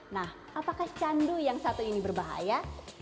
nah apakah candu yang satu ini berbahaya